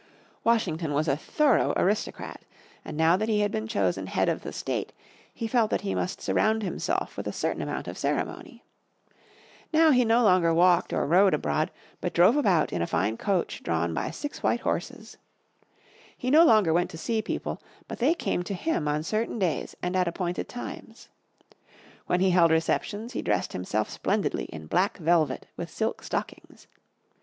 Washington was a thorough aristocrat and now that he had been chosen head of the State he felt that he must surround himself with a certain amount of ceremony. Now he no longer walked or rode abroad, but drove about in a fine coach drawn by six white horses. He no longer went to see people, but they came to him on certain days and at appointed times. When he held receptions he dressed himself splendidly in black velvet with silk stockings.